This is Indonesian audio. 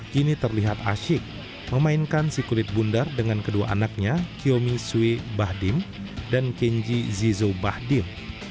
kini terlihat asyik memainkan si kulit bundar dengan kedua anaknya kiomi swi bahdim dan kenji zizo bahdim